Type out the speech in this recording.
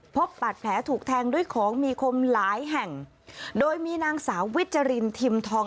พบบาดแผลถูกแทงด้วยของมีคมหลายแห่งโดยมีนางสาววิจรินทิมทอง